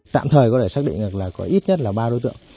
tạm thời có thể xác định được là có ít nhất là ba đối tượng